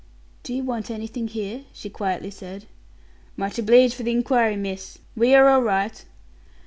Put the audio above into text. "Do you want anything here?" she quietly said. "Much obleeged for the inquiry, miss. We are all right."